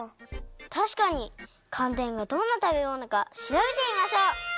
たしかにかんてんがどんなたべものかしらべてみましょう！